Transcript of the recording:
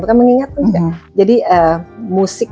bukan mengingatkan sih jadi musik